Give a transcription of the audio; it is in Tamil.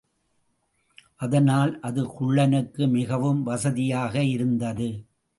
அதனால் அது குள்ளனுக்கு மிகவும் வசதியாக இருந்தது.